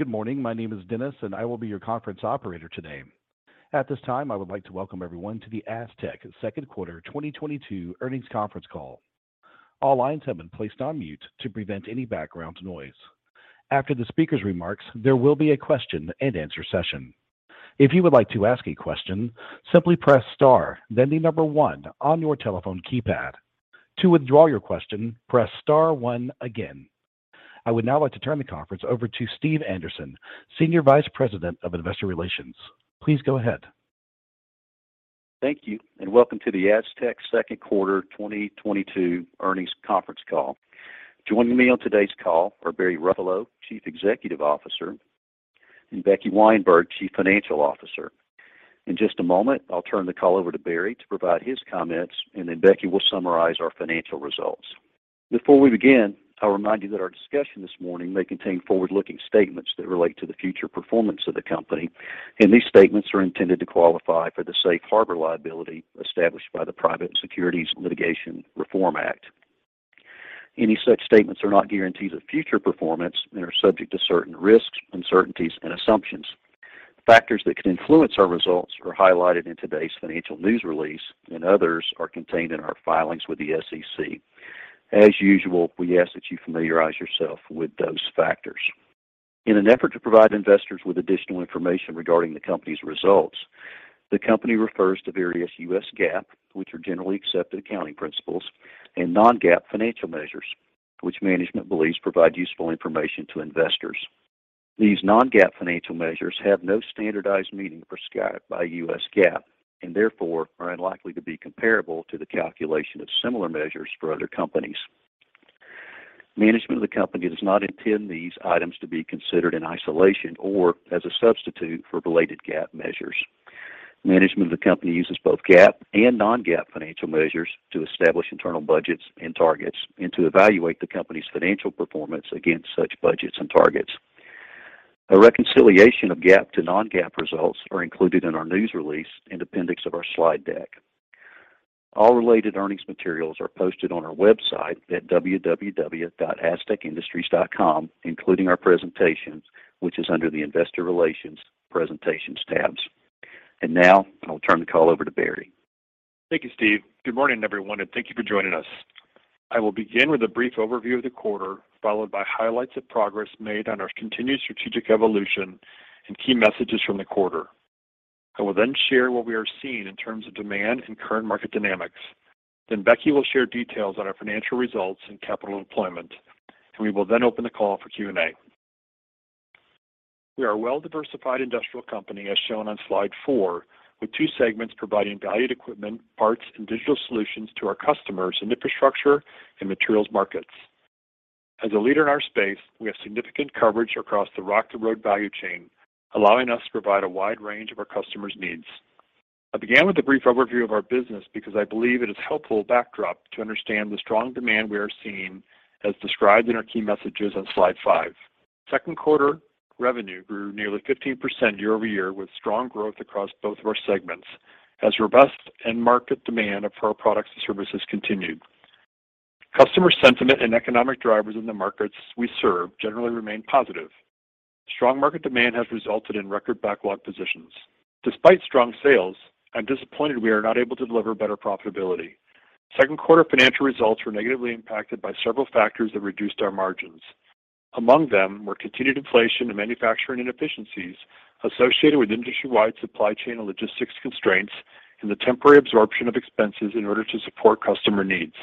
Good morning. My name is Dennis, and I will be your conference operator today. At this time, I would like to welcome everyone to the Astec second quarter 2022 earnings conference call. All lines have been placed on mute to prevent any background noise. After the speaker's remarks, there will be a question and answer session. If you would like to ask a question, simply press star, then the number one on your telephone keypad. To withdraw your question, press star one again. I would now like to turn the conference over to Steve Anderson, Senior Vice President of Investor Relations. Please go ahead. Thank you, and welcome to the Astec second quarter 2022 earnings conference call. Joining me on today's call are Barry Ruffalo, Chief Executive Officer, and Rebecca Weyenberg, Chief Financial Officer. In just a moment, I'll turn the call over to Barry to provide his comments, and then Becky will summarize our financial results. Before we begin, I'll remind you that our discussion this morning may contain forward-looking statements that relate to the future performance of the company, and these statements are intended to qualify for the safe harbor liability established by the Private Securities Litigation Reform Act. Any such statements are not guarantees of future performance and are subject to certain risks, uncertainties, and assumptions. Factors that could influence our results are highlighted in today's financial news release, and others are contained in our filings with the SEC. As usual, we ask that you familiarize yourself with those factors. In an effort to provide investors with additional information regarding the company's results, the company refers to various U.S. GAAP, which are generally accepted accounting principles, and non-GAAP financial measures, which management believes provide useful information to investors. These non-GAAP financial measures have no standardized meaning prescribed by U.S. GAAP and therefore are unlikely to be comparable to the calculation of similar measures for other companies. Management of the company does not intend these items to be considered in isolation or as a substitute for related GAAP measures. Management of the company uses both GAAP and non-GAAP financial measures to establish internal budgets and targets and to evaluate the company's financial performance against such budgets and targets. A reconciliation of GAAP to non-GAAP results are included in our news release and appendix of our slide deck. All related earnings materials are posted on our website at www.astecindustries.com, including our presentations, which is under the Investor Relations Presentations tabs. Now I'll turn the call over to Barry. Thank you, Steve. Good morning, everyone, and thank you for joining us. I will begin with a brief overview of the quarter, followed by highlights of progress made on our continued strategic evolution and key messages from the quarter. I will then share what we are seeing in terms of demand and current market dynamics. Becky will share details on our financial results and capital deployment, and we will then open the call for Q&A. We are a well-diversified industrial company, as shown on slide four, with two segments providing valued equipment, parts, and digital solutions to our customers in infrastructure and materials markets. As a leader in our space, we have significant coverage across the Rock-to-Road value chain, allowing us to provide a wide range of our customers' needs. I began with a brief overview of our business because I believe it is helpful backdrop to understand the strong demand we are seeing as described in our key messages on slide 5. Second quarter revenue grew nearly 15% year-over-year with strong growth across both of our segments as robust end market demand of our products and services continued. Customer sentiment and economic drivers in the markets we serve generally remain positive. Strong market demand has resulted in record backlog positions. Despite strong sales, I'm disappointed we are not able to deliver better profitability. Second quarter financial results were negatively impacted by several factors that reduced our margins. Among them were continued inflation and manufacturing inefficiencies associated with industry-wide supply chain and logistics constraints and the temporary absorption of expenses in order to support customer needs.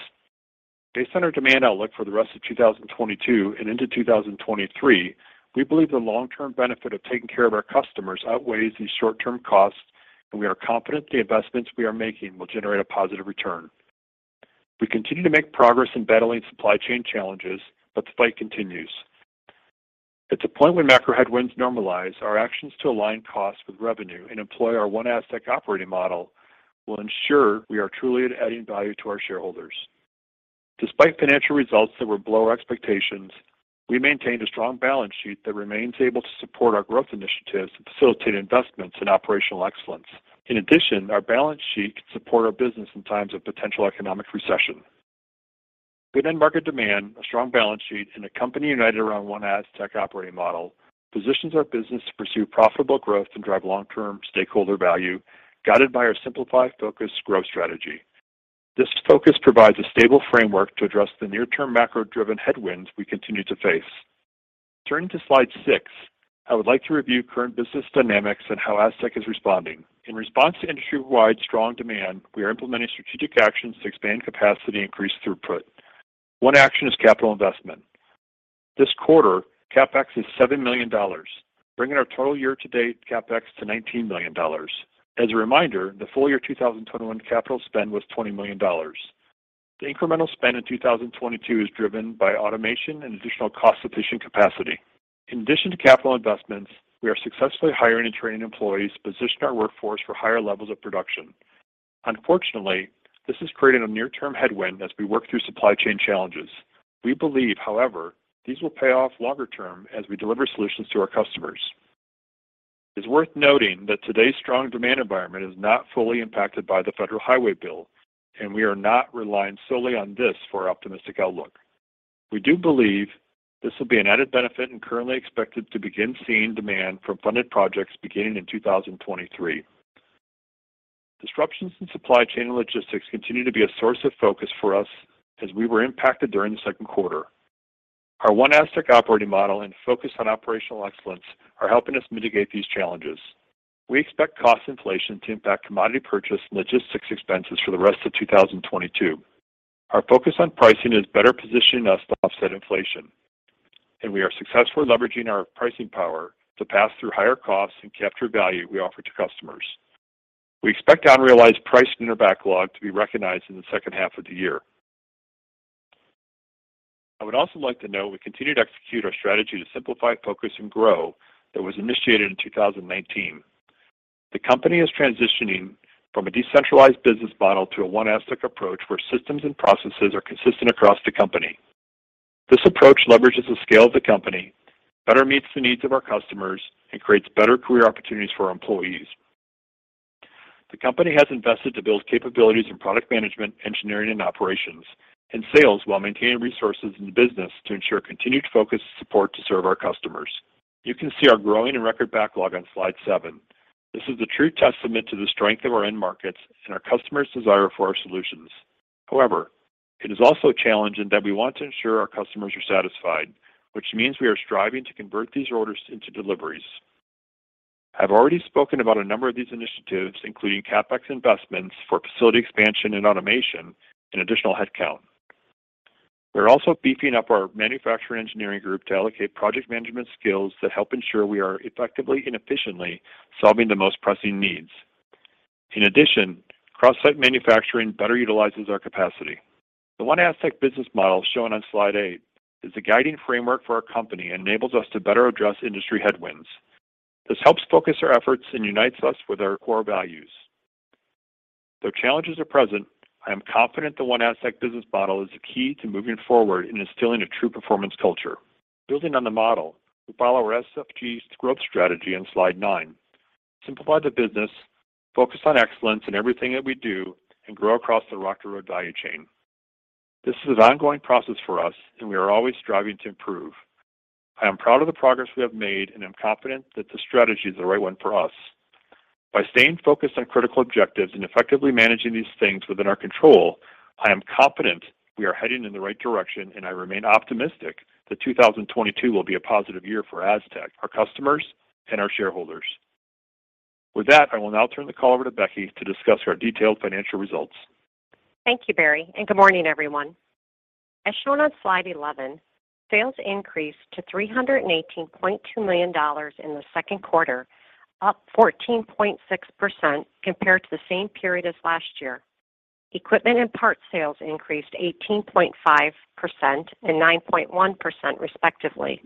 Based on our demand outlook for the rest of 2022 and into 2023, we believe the long-term benefit of taking care of our customers outweighs these short-term costs, and we are confident the investments we are making will generate a positive return. We continue to make progress in battling supply chain challenges, but the fight continues. At the point when macro headwinds normalize, our actions to align costs with revenue and employ our OneASTEC operating model will ensure we are truly adding value to our shareholders. Despite financial results that were below our expectations, we maintained a strong balance sheet that remains able to support our growth initiatives to facilitate investments in operational excellence. In addition, our balance sheet can support our business in times of potential economic recession. Good end market demand, a strong balance sheet, and a company united around OneASTEC operating model positions our business to pursue profitable growth and drive long-term stakeholder value, guided by our Simplify, Focus, and Grow strategy. This focus provides a stable framework to address the near-term macro-driven headwinds we continue to face. Turning to slide 6, I would like to review current business dynamics and how Astec is responding. In response to industry-wide strong demand, we are implementing strategic actions to expand capacity and increase throughput. One action is capital investment. This quarter, CapEx is $7 million, bringing our total year-to-date CapEx to $19 million. As a reminder, the full year 2021 capital spend was $20 million. The incremental spend in 2022 is driven by automation and additional cost-efficient capacity. In addition to capital investments, we are successfully hiring and training employees to position our workforce for higher levels of production. Unfortunately, this has created a near-term headwind as we work through supply chain challenges. We believe, however, these will pay off longer term as we deliver solutions to our customers. It's worth noting that today's strong demand environment is not fully impacted by the Federal Highway Bill, and we are not relying solely on this for our optimistic outlook. We do believe this will be an added benefit and currently expected to begin seeing demand from funded projects beginning in 2023. Disruptions in supply chain logistics continue to be a source of focus for us as we were impacted during the second quarter. Our OneASTEC operating model and focus on operational excellence are helping us mitigate these challenges. We expect cost inflation to impact commodity purchase and logistics expenses for the rest of 2022. Our focus on pricing is better positioning us to offset inflation, and we are successfully leveraging our pricing power to pass through higher costs and capture value we offer to customers. We expect unrealized price in our backlog to be recognized in the second half of the year. I would also like to note we continue to execute our strategy to Simplify, Focus and Grow that was initiated in 2019. The company is transitioning from a decentralized business model to a OneASTEC approach where systems and processes are consistent across the company. This approach leverages the scale of the company, better meets the needs of our customers, and creates better career opportunities for our employees. The company has invested to build capabilities in product management, engineering and operations, and sales, while maintaining resources in the business to ensure continued focus and support to serve our customers. You can see our growing and record backlog on slide seven. This is a true testament to the strength of our end markets and our customers' desire for our solutions. However, it is also a challenge in that we want to ensure our customers are satisfied, which means we are striving to convert these orders into deliveries. I've already spoken about a number of these initiatives, including CapEx investments for facility expansion and automation and additional headcount. We're also beefing up our manufacturing engineering group to allocate project management skills that help ensure we are effectively and efficiently solving the most pressing needs. In addition, cross-site manufacturing better utilizes our capacity. The OneASTEC business model shown on slide eight is the guiding framework for our company and enables us to better address industry headwinds. This helps focus our efforts and unites us with our core values. Though challenges are present, I am confident the OneASTEC business model is the key to moving forward and instilling a true performance culture. Building on the model, we follow our SFG growth strategy on slide nine. Simplify the business, focus on excellence in everything that we do, and grow across the Rock-to-Road value chain. This is an ongoing process for us and we are always striving to improve. I am proud of the progress we have made, and I'm confident that the strategy is the right one for us. By staying focused on critical objectives and effectively managing these things within our control, I am confident we are heading in the right direction, and I remain optimistic that 2022 will be a positive year for Astec, our customers, and our shareholders. With that, I will now turn the call over to Becky to discuss our detailed financial results. Thank you, Barry, and good morning, everyone. As shown on slide 11, sales increased to $318.2 million in the second quarter, up 14.6% compared to the same period as last year. Equipment and parts sales increased 18.5% and 9.1% respectively.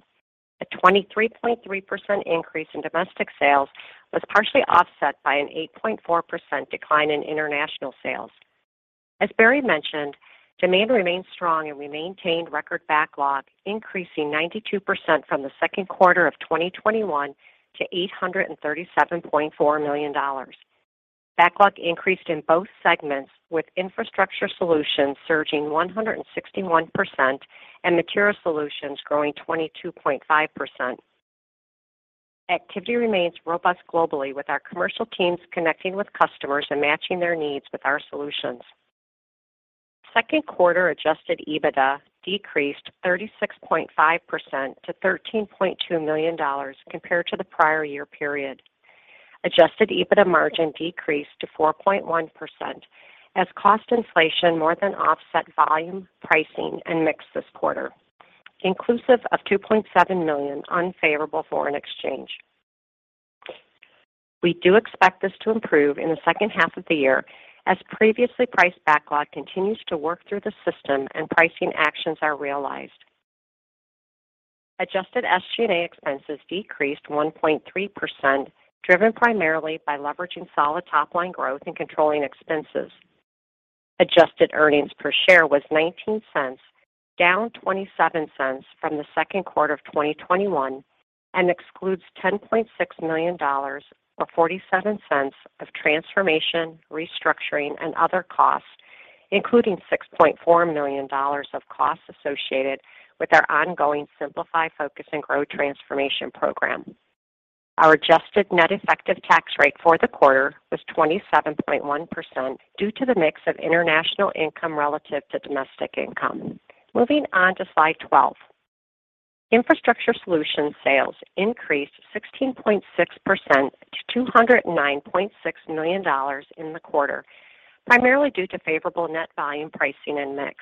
A 23.3% increase in domestic sales was partially offset by an 8.4% decline in international sales. As Barry mentioned, demand remains strong, and we maintained record backlog, increasing 92% from the second quarter of 2021 to $837.4 million. Backlog increased in both segments, with Infrastructure Solutions surging 161% and Material Solutions growing 22.5%. Activity remains robust globally with our commercial teams connecting with customers and matching their needs with our solutions. Second quarter adjusted EBITDA decreased 36.5% to $13.2 million compared to the prior year period. Adjusted EBITDA margin decreased to 4.1% as cost inflation more than offset volume, pricing, and mix this quarter, inclusive of $2.7 million unfavorable foreign exchange. We do expect this to improve in the second half of the year as previously priced backlog continues to work through the system and pricing actions are realized. Adjusted SG&A expenses decreased 1.3%, driven primarily by leveraging solid top line growth and controlling expenses. Adjusted earnings per share was $0.19, down $0.27 from the second quarter of 2021, and excludes $10.6 million or $0.47 of transformation, restructuring, and other costs, including $6.4 million of costs associated with our ongoing Simplify, Focus and Grow transformation program. Our adjusted net effective tax rate for the quarter was 27.1% due to the mix of international income relative to domestic income. Moving on to slide 12. Infrastructure Solutions sales increased 16.6% to $209.6 million in the quarter, primarily due to favorable net volume, pricing, and mix.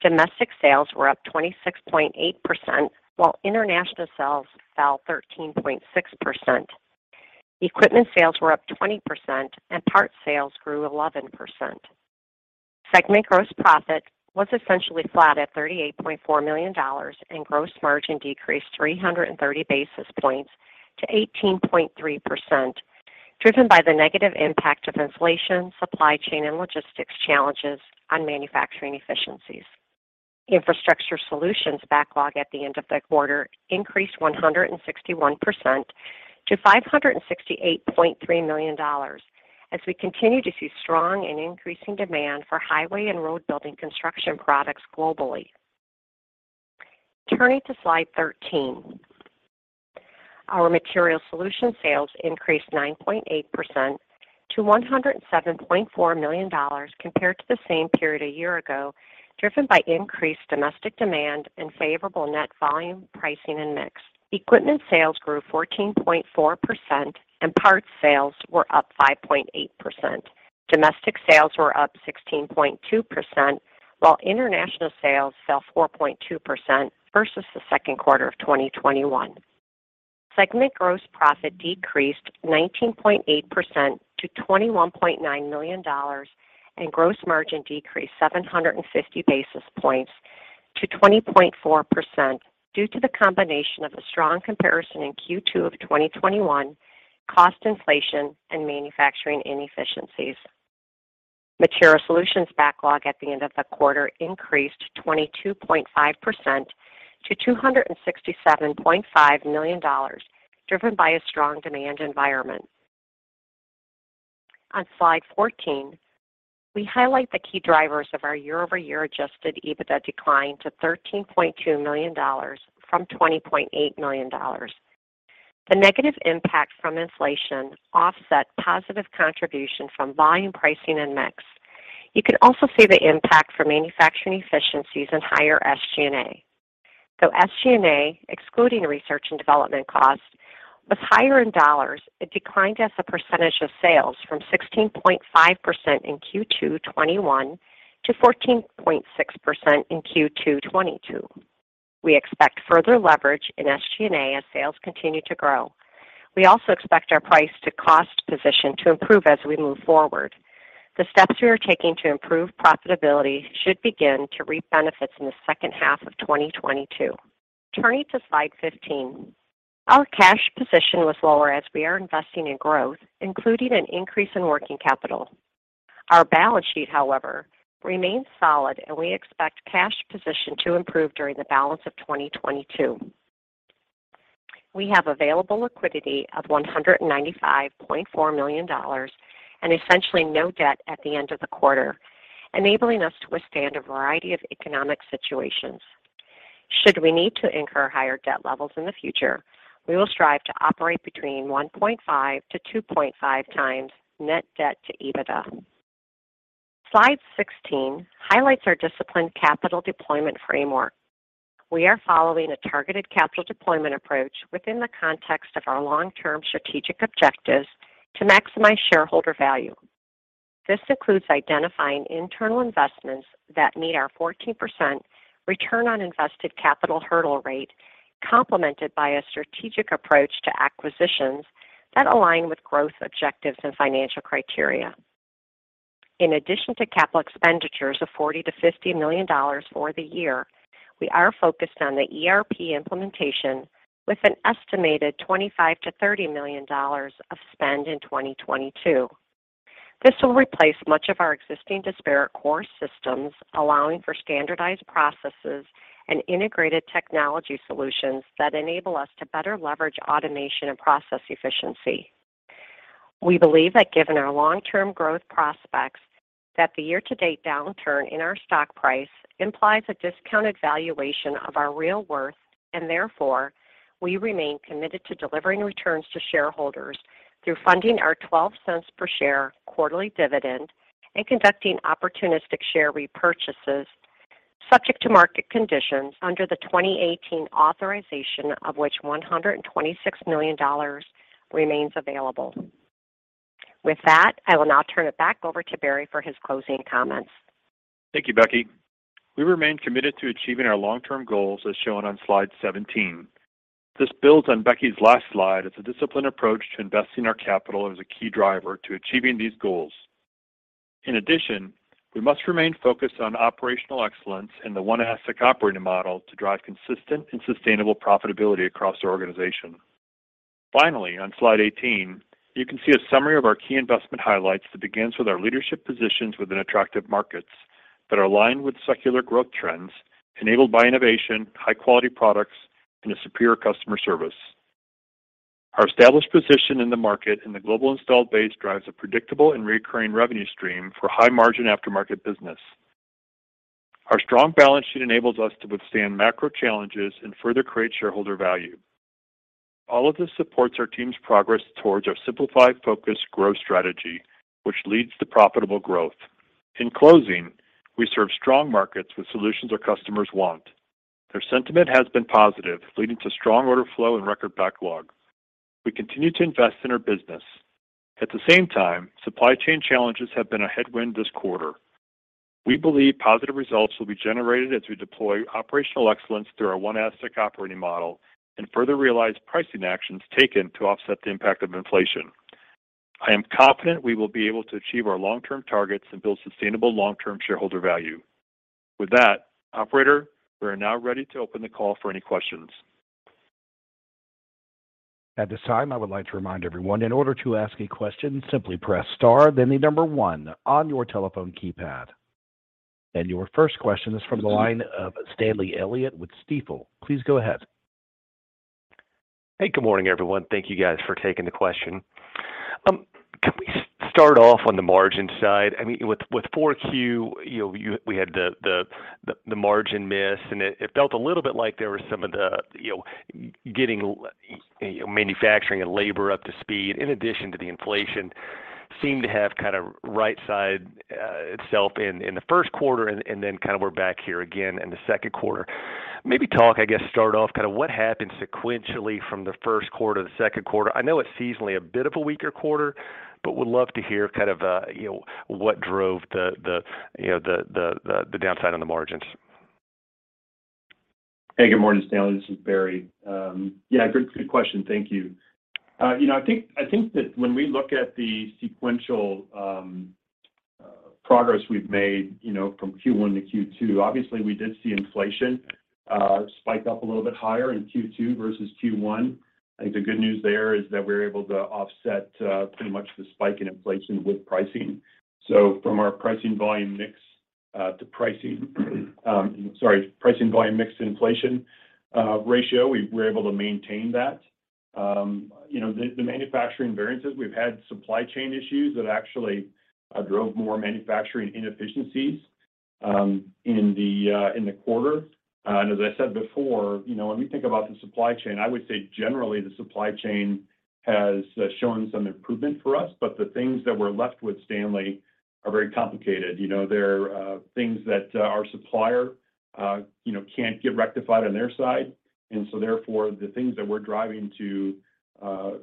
Domestic sales were up 26.8%, while international sales fell 13.6%. Equipment sales were up 20%, and parts sales grew 11%. Segment gross profit was essentially flat at $38.4 million, and gross margin decreased 330 basis points to 18.3%, driven by the negative impact of inflation, supply chain, and logistics challenges on manufacturing efficiencies. Infrastructure Solutions backlog at the end of the quarter increased 161% to $568.3 million as we continue to see strong and increasing demand for highway and road building construction products globally. Turning to slide 13. Our Material Solutions sales increased 9.8% to $107.4 million compared to the same period a year ago, driven by increased domestic demand and favorable net volume, pricing, and mix. Equipment sales grew 14.4% and parts sales were up 5.8%. Domestic sales were up 16.2%, while international sales fell 4.2% versus the second quarter of 2021. Segment gross profit decreased 19.8% to $21.9 million, and gross margin decreased 750 basis points to 20.4% due to the combination of a strong comparison in Q2 of 2021, cost inflation, and manufacturing inefficiencies. Material Solutions backlog at the end of the quarter increased 22.5% to $267.5 million, driven by a strong demand environment. On slide 14, we highlight the key drivers of our year-over-year adjusted EBITDA decline to $13.2 million from $20.8 million. The negative impact from inflation offset positive contribution from volume, pricing, and mix. You can also see the impact from manufacturing efficiencies and higher SG&A. SG&A, excluding research and development costs, was higher in dollars. It declined as a percentage of sales from 16.5% in Q2 2021 to 14.6% in Q2 2022. We expect further leverage in SG&A as sales continue to grow. We also expect our price to cost position to improve as we move forward. The steps we are taking to improve profitability should begin to reap benefits in the second half of 2022. Turning to slide 15. Our cash position was lower as we are investing in growth, including an increase in working capital. Our balance sheet, however, remains solid, and we expect cash position to improve during the balance of 2022. We have available liquidity of $195.4 million and essentially no debt at the end of the quarter, enabling us to withstand a variety of economic situations. Should we need to incur higher debt levels in the future, we will strive to operate between 1.5x and 2.5x net debt to EBITDA. Slide 16 highlights our disciplined capital deployment framework. We are following a targeted capital deployment approach within the context of our long-term strategic objectives to maximize shareholder value. This includes identifying internal investments that meet our 14% return on invested capital hurdle rate, complemented by a strategic approach to acquisitions that align with growth objectives and financial criteria. In addition to capital expenditures of $40 million-$50 million for the year, we are focused on the ERP implementation with an estimated $25 million-$30 million of spend in 2022. This will replace much of our existing disparate core systems, allowing for standardized processes and integrated technology solutions that enable us to better leverage automation and process efficiency. We believe that given our long-term growth prospects, that the year-to-date downturn in our stock price implies a discounted valuation of our real worth and therefore, we remain committed to delivering returns to shareholders through funding our $0.12 per share quarterly dividend and conducting opportunistic share repurchases subject to market conditions under the 2018 authorization of which $126 million remains available. With that, I will now turn it back over to Barry for his closing comments. Thank you, Becky. We remain committed to achieving our long-term goals as shown on slide 17. This builds on Becky's last slide as a disciplined approach to investing our capital as a key driver to achieving these goals. In addition, we must remain focused on operational excellence and the OneASTEC operating model to drive consistent and sustainable profitability across our organization. Finally, on slide 18, you can see a summary of our key investment highlights that begins with our leadership positions within attractive markets that are aligned with secular growth trends enabled by innovation, high-quality products, and a superior customer service. Our established position in the market and the global installed base drives a predictable and recurring revenue stream for high-margin aftermarket business. Our strong balance sheet enables us to withstand macro challenges and further create shareholder value. All of this supports our team's progress towards our Simplify, Focus, and Grow strategy, which leads to profitable growth. In closing, we serve strong markets with solutions our customers want. Their sentiment has been positive, leading to strong order flow and record backlog. We continue to invest in our business. At the same time, supply chain challenges have been a headwind this quarter. We believe positive results will be generated as we deploy operational excellence through our OneASTEC operating model and further realize pricing actions taken to offset the impact of inflation. I am confident we will be able to achieve our long-term targets and build sustainable long-term shareholder value. With that, operator, we are now ready to open the call for any questions. At this time, I would like to remind everyone in order to ask a question, simply press star then the number one on your telephone keypad. Your first question is from the line of Stanley Elliott with Stifel. Please go ahead. Hey, good morning, everyone. Thank you guys for taking the question. Can we start off on the margin side? I mean, with Q4, you know, we had the margin miss, and it felt a little bit like there was some of the, you know, getting manufacturing and labor up to speed, in addition to the inflation seemed to have kind of right-sized itself in the first quarter and then kind of we're back here again in the second quarter. Maybe talk, I guess, start off kind of what happened sequentially from the first quarter to the second quarter. I know it's seasonally a bit of a weaker quarter, but would love to hear kind of, you know, what drove the downside on the margins. Hey, good morning, Stanley. This is Barry. Yeah, good question. Thank you. You know, I think that when we look at the sequential progress we've made, you know, from Q1 to Q2, obviously we did see inflation spike up a little bit higher in Q2 versus Q1. I think the good news there is that we're able to offset pretty much the spike in inflation with pricing. So from our pricing volume mix to inflation ratio, we're able to maintain that. You know, the manufacturing variances, we've had supply chain issues that actually drove more manufacturing inefficiencies in the quarter. As I said before, you know, when we think about the supply chain, I would say generally the supply chain has shown some improvement for us, but the things that we're left with, Stanley, are very complicated. You know, they're things that our supplier, you know, can't get rectified on their side. Therefore, the things that we're driving to,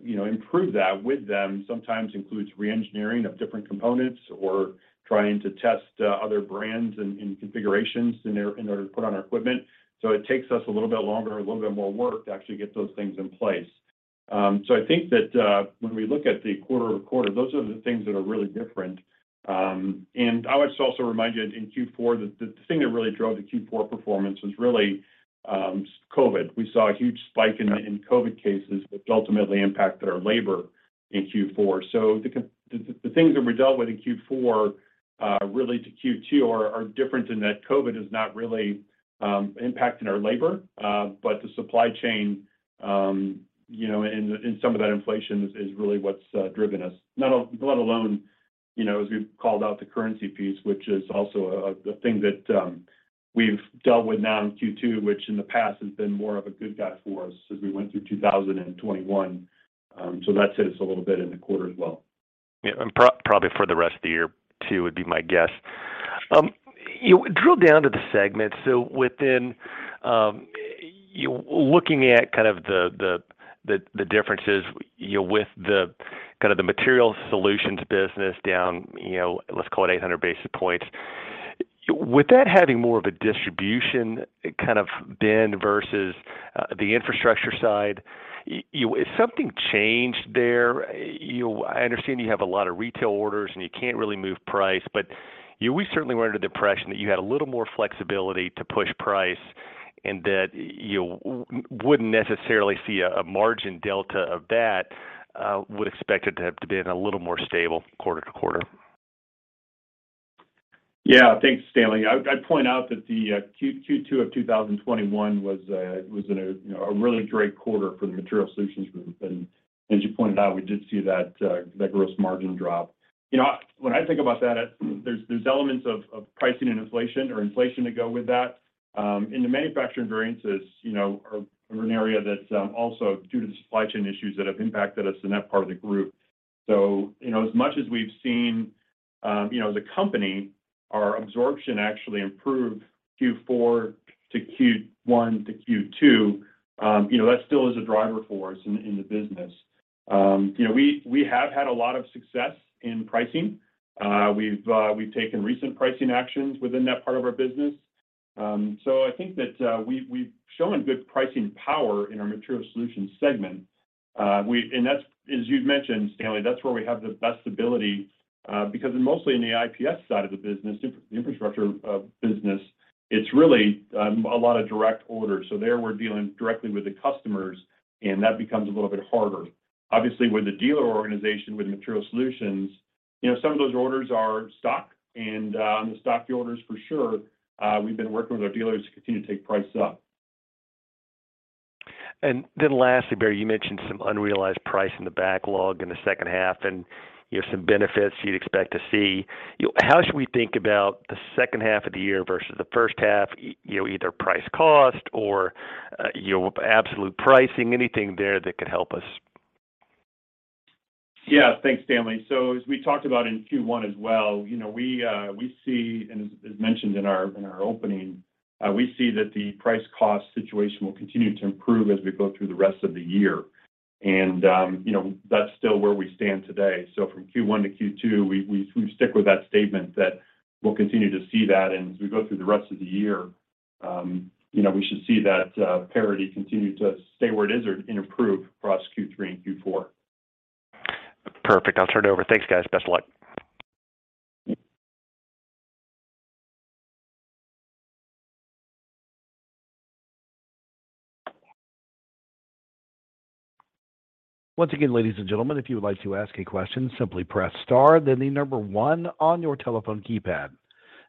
you know, improve that with them sometimes includes re-engineering of different components or trying to test other brands and configurations in order to put on our equipment. It takes us a little bit longer and a little bit more work to actually get those things in place. I think that when we look at the quarter-over-quarter, those are the things that are really different. I would also remind you in Q4 that the thing that really drove the Q4 performance was really, COVID. We saw a huge spike in COVID cases, which ultimately impacted our labor in Q4. The things that we dealt with in Q4 really to Q2 are different in that COVID is not really impacting our labor, but the supply chain, you know, and some of that inflation is really what's driven us. Not let alone, you know, as we've called out the currency piece, which is also a thing that we've dealt with now in Q2, which in the past has been more of a good guy for us as we went through 2021. That's hit us a little bit in the quarter as well. Yeah, probably for the rest of the year too, would be my guess. You drill down to the segment. Within, you know, looking at kind of the differences, you know, with the kind of the Material Solutions business down, you know, let's call it 800 basis points. With that having more of a distribution kind of bend versus the Infrastructure side, is something changed there? You know, I understand you have a lot of retail orders and you can't really move price, but, you know, we certainly were under the impression that you had a little more flexibility to push price and that you wouldn't necessarily see a margin delta of that. Would expect it to have been a little more stable quarter to quarter. Yeah. Thanks, Stanley. I'd point out that the Q2 of 2021 was, you know, a really great quarter for the Material Solutions group. As you pointed out, we did see that gross margin drop. You know, when I think about that, there's elements of pricing and inflation to go with that. The manufacturing variances, you know, are an area that's also due to the supply chain issues that have impacted us in that part of the group. As much as we've seen, you know, as a company, our absorption actually improved Q4 to Q1 to Q2. You know, that still is a driver for us in the business. You know, we have had a lot of success in pricing. We've taken recent pricing actions within that part of our business. I think that we've shown good pricing power in our Material Solutions segment. That's as you'd mentioned, Stanley, that's where we have the best ability because mostly in the IPS side of the business, infrastructure business, it's really a lot of direct orders. There we're dealing directly with the customers and that becomes a little bit harder. Obviously, with the dealer organization, with Material Solutions, you know, some of those orders are stock and on the stock orders for sure, we've been working with our dealers to continue to take price up. Lastly, Barry, you mentioned some unrealized price in the backlog in the second half and, you know, some benefits you'd expect to see. You know, how should we think about the second half of the year versus the first half, you know, either price cost or, you know, absolute pricing? Anything there that could help us? Yeah. Thanks, Stanley. As we talked about in Q1 as well, you know, we see and as mentioned in our opening, we see that the price cost situation will continue to improve as we go through the rest of the year. You know, that's still where we stand today. From Q1 to Q2, we stick with that statement that we'll continue to see that. As we go through the rest of the year, you know, we should see that parity continue to stay where it is or improve for us Q3 and Q4. Perfect. I'll turn it over. Thanks, guys. Best of luck. Once again, ladies and gentlemen, if you would like to ask a question, simply press star then the number one on your telephone keypad.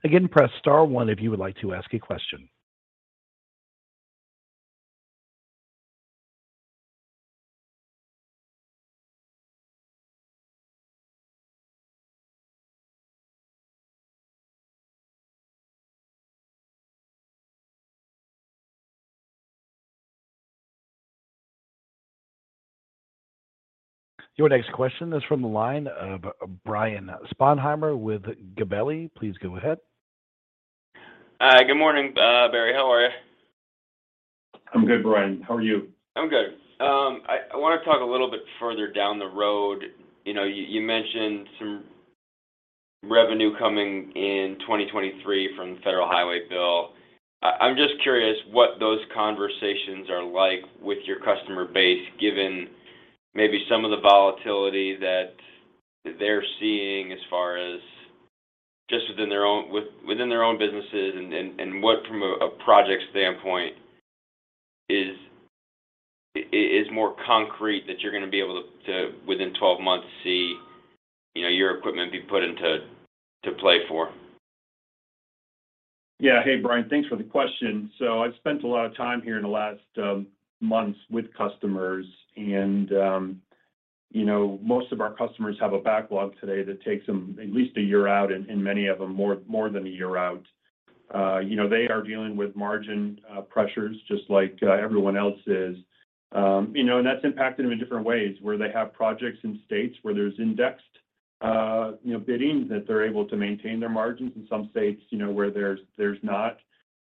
Again, press star one if you would like to ask a question. Your next question is from the line of Brian Sponheimer with Gabelli. Please go ahead. Good morning, Barry. How are you? I'm good, Brian. How are you? I'm good. I wanna talk a little bit further down the road. You know, you mentioned some revenue coming in 2023 from the Federal Highway Bill. I'm just curious what those conversations are like with your customer base, given maybe some of the volatility that they're seeing as far as just within their own businesses and what from a project standpoint is more concrete that you're gonna be able to within 12 months see, you know, your equipment be put into play for. Yeah. Hey, Brian. Thanks for the question. I've spent a lot of time here in the last months with customers and, you know, most of our customers have a backlog today that takes them at least a year out and many of them more than a year out. You know, they are dealing with margin pressures just like everyone else is. You know, and that's impacted them in different ways, where they have projects in states where there's indexed, you know, bidding that they're able to maintain their margins. In some states, you know, where there's not,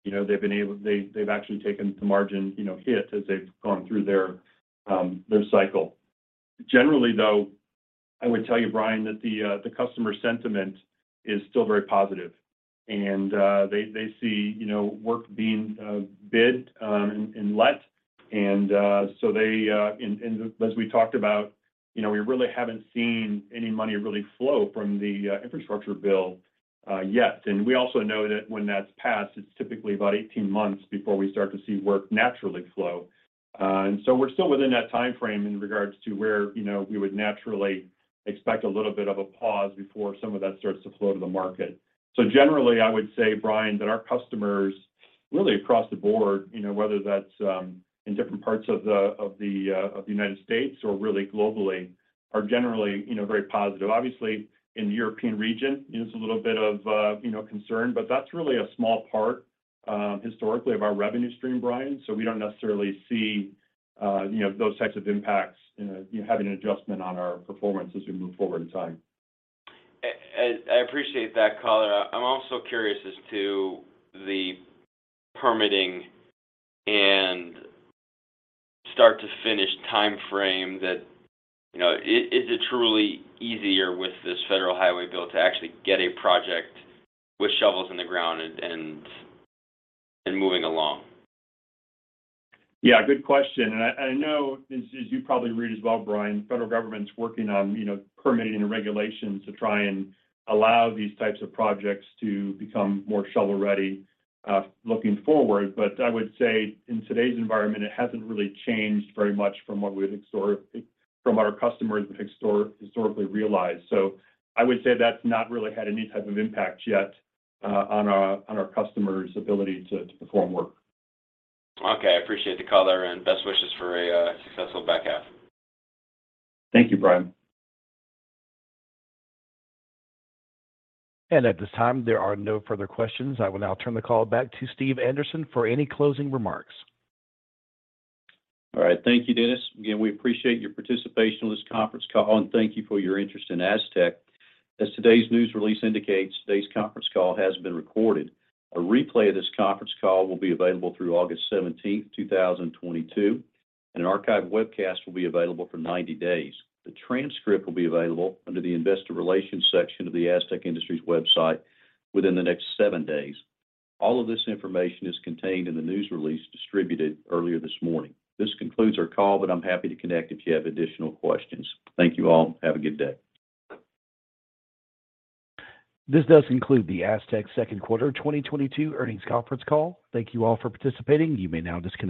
you know, they've actually taken the margin, you know, hit as they've gone through their cycle. Generally, though, I would tell you, Brian, that the customer sentiment is still very positive and they see, you know, work being bid and let. As we talked about, you know, we really haven't seen any money really flow from the infrastructure bill yet. We also know that when that's passed, it's typically about 18 months before we start to see work naturally flow. We're still within that timeframe in regards to where, you know, we would naturally expect a little bit of a pause before some of that starts to flow to the market. Generally, I would say, Brian, that our customers really across the board, you know, whether that's in different parts of the United States or really globally are generally, you know, very positive. Obviously, in the European region, you know, it's a little bit of, you know, concern, but that's really a small part, historically of our revenue stream, Brian, so we don't necessarily see, you know, those types of impacts, you know, having an adjustment on our performance as we move forward in time. I appreciate that color. I'm also curious as to the permitting and start to finish timeframe that is it truly easier with this Federal Highway Bill to actually get a project with shovels in the ground and moving along? Yeah, good question. I know as you probably read as well, Brian, federal government's working on, you know, permitting and regulations to try and allow these types of projects to become more shovel-ready, looking forward. I would say in today's environment, it hasn't really changed very much from what our customers historically realized. I would say that's not really had any type of impact yet, on our customers' ability to perform work. Okay. I appreciate the color and best wishes for a successful back half. Thank you, Brian. At this time, there are no further questions. I will now turn the call back to Steve Anderson for any closing remarks. All right. Thank you, Dennis. Again, we appreciate your participation on this conference call, and thank you for your interest in Astec. As today's news release indicates, today's conference call has been recorded. A replay of this conference call will be available through August 17, 2022, and an archive webcast will be available for 90 days. The transcript will be available under the Investor Relations section of the Astec Industries website within the next seven days. All of this information is contained in the news release distributed earlier this morning. This concludes our call, but I'm happy to connect if you have additional questions. Thank you all. Have a good day. This does conclude the Astec second quarter 2022 earnings conference call. Thank you all for participating. You may now disconnect.